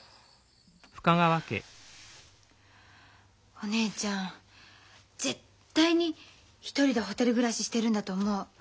お姉ちゃん絶対に１人でホテル暮らししてるんだと思う。